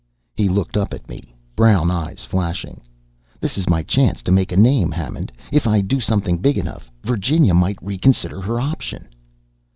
He looked up at me, brown eyes flashing. "This is my chance to make a name, Hammond. If I do something big enough Virginia might reconsider her opinion."